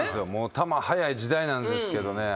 球速い時代なんですけどね。